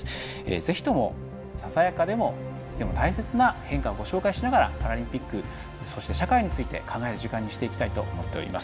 ぜひとも、ささやかでもでも大切な変化をご紹介しながらパラリンピック、社会について考える時間にしていきたいと思います。